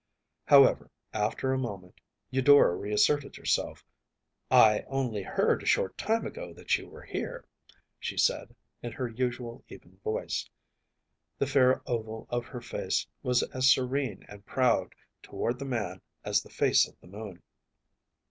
However, after a moment, Eudora reasserted herself. “I only heard a short time ago that you were here,‚ÄĚ she said, in her usual even voice. The fair oval of her face was as serene and proud toward the man as the face of the moon.